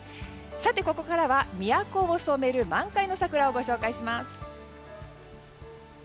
ここからは都を染める満開の桜をご紹介します。